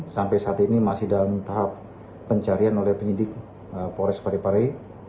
sampai saat ini masih dalam tahap pencarian oleh penyidik polres parepare